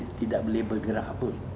kita tidak bisa bergerak